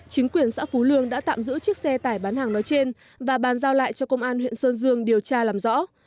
chính quyền xã phú lương đã tạm giữ chiếc xe tải bán hàng nói trên và bàn giao lại cho công an huyện sơn dương điều tra làm rõ